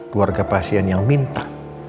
keluarga pasien yang minta